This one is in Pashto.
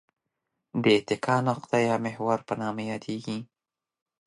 د اتکا نقطه یا محور په نامه یادیږي.